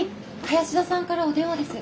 林田さんからお電話です。